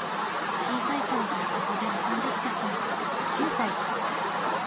小さい頃からここで遊んできたそう。